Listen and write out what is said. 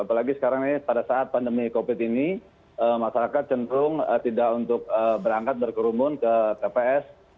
apalagi sekarang ini pada saat pandemi covid ini masyarakat cenderung tidak untuk berangkat berkerumun ke tps